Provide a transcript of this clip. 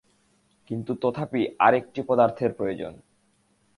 কিন্তু তথাপি আর একটি পদার্থের প্রয়োজন।